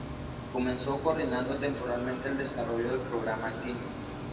Comenzó coordinando temporalmente el desarrollo del programa "Gimp".